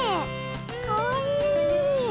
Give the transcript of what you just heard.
かわいい。